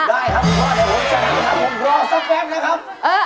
ได้ครับผมรอสักแป๊บนะครับ